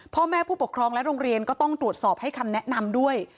พ่อแม่ผู้ปกครองและโรงเรียนก็ต้องตรวจสอบให้คำแนะนำด้วย